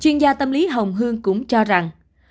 chuyên gia tâm lý hồng hương cũng cho rằng